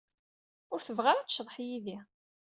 Ur tebɣi ara ad tecḍeḥ yid-i.